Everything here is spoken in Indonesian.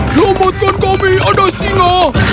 selamatkan kami ada singa